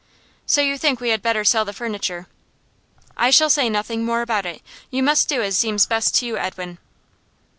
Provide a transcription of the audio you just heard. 'So you think we had better sell the furniture.' 'I shall say nothing more about it. You must do as seems best to you, Edwin.